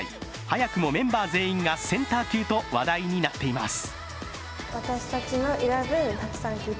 早くもメンバー全員がセンター級と話題になっています。